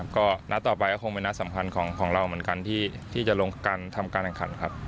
ก็นัดต่อไปก็คงเป็นนัดสำคัญของเราเหมือนกันที่จะลงการทำการแข่งขันครับ